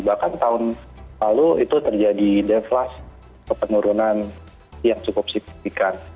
bahkan tahun lalu itu terjadi deflasi kepenurunan yang cukup signifikan